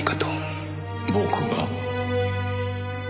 僕が？